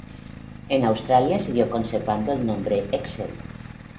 En Australia siguió conservando el nombre Excel.